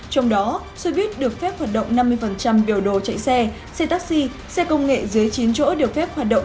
trong đó xe buýt được phép hoạt động năm mươi biểu đồ chạy xe xe taxi xe công nghệ dưới chín chỗ được phép hoạt động